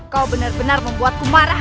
kau benar benar membuatku marah